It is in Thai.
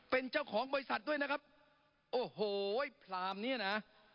เป็นเจ้าของบริษัทด้วยนะครับโอ้โหพรามเนี้ยนะ